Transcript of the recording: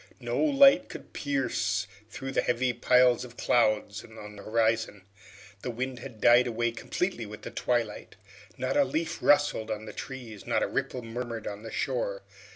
No light could pierce through the heavy piles of clouds on the horizon. The wind had died away completely with the twilight. Not a leaf rustled on the trees, not a ripple murmured on the shore.